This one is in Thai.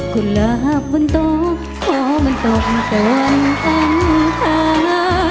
คุณรักมันต้องขอมันต้องก่อนข้าง